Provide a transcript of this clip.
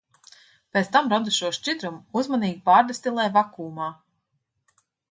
Pēc tam radušos šķidrumu uzmanīgi pārdestilē vakuumā.